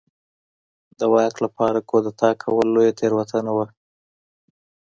د واک لپاره کودتا کول لویه تېروتنه وه.